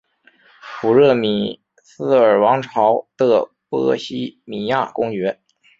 普热米斯尔王朝的波希米亚公爵。